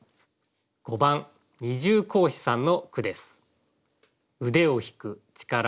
５番二重格子さんの句です。